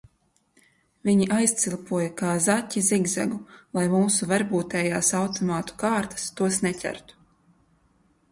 Viņi aizcilpoja, kā zaķi zigzagu, lai mūsu varbūtējās automātu kārtas tos neķertu.